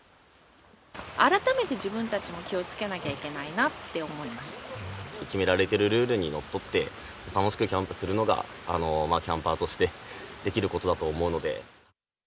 改めて自分たちも気をつけな決められてるルールにのっとって、楽しくキャンプするのが、キャンパーとしてできることだと思うので。